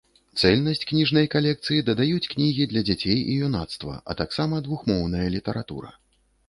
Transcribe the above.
Цэльнасць кніжнай калекцыі дадаюць кнігі для дзяцей і юнацтва, а таксама двухмоўная літаратура.